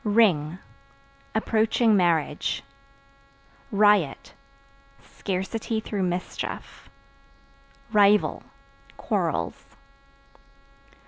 Ring Approaching marriage. Riot Scarcity through mischief. Rival Quarrels.